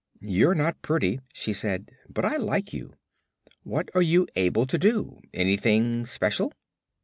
"You're not pretty," she said, "but I like you. What are you able to do; anything 'special?"